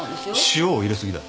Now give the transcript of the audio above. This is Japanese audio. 塩を入れすぎだ。